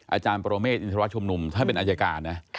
อาจารย์บรมศิษย์สนิทรวจชมนุมถ้าเป็นอัจฉาการ